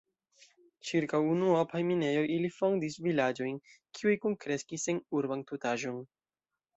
Ĉirkaŭ unuopaj minejoj ili fondis vilaĝojn, kiuj kunkreskis en urban tutaĵon.